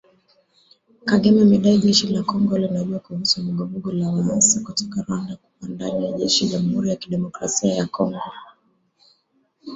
Kagame amedai Jeshi la Kongo linajua kuhusu Vuguvugu la waasi kutoka Rwanda kuwa ndani ya jeshi la Jamhuri ya Kidemokrasia Ya Kongo